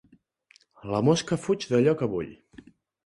La mosca fuig d'allò que bull.